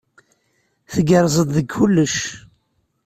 Tgerrzeḍ deg kullec.